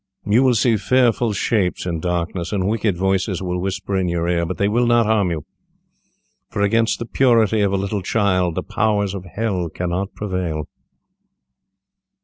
You will see fearful shapes in darkness, and wicked voices will whisper in your ear, but they will not harm you, for against the purity of a little child the powers of Hell cannot prevail."